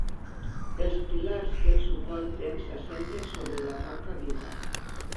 Els pilars que el suporten s'assenten sobre la roca viva.